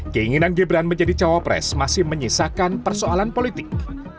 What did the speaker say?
keinginan gibran menjadi cowok pres masih menyisakan persoalan politik